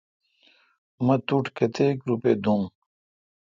مہ تو ٹھ کتیک روپےدھُوم۔